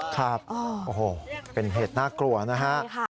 ครับโอ้โหเป็นเหตุน่ากลัวนะฮะ